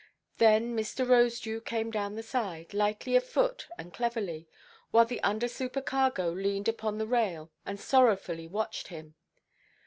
Then Mr. Rosedew came down the side, lightly of foot and cleverly; while the under–supercargo leaned upon the rail and sorrowfully watched him.